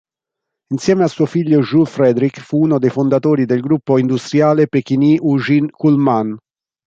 Insieme a suo figlio Jules Frédéric fu uno dei fondatori del gruppo industriale Pechiney-Ugine-Kuhlmann.